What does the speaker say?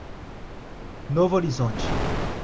Novorizonte